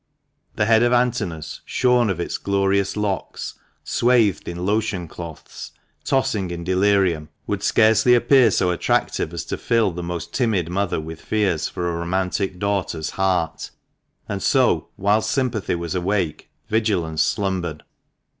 The head of Antinous shorn of its glorious locks, swathed in lotion cloths, tossing in delirium, would scarcely appear so * See Appendix. THE MANCHESTER MAN. 289 attractive as to fill the most timid mother with fears for a romantic daughter's heart, and so, whilst sympathy was awake, vigilance slumbered.